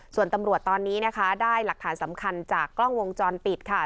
ส่วนตำรวจตอนนี้นะคะได้หลักฐานสำคัญจากกล้องวงจรปิดค่ะ